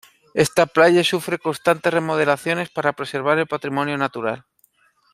Esta playa sufre constantes remodelaciones para preservar el patrimonio natural.